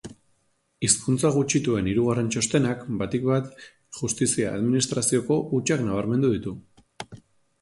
Hizkuntza gutxituen hirugarren txostenak batik bat justizia administrazioko hutsak nabarmendu ditu.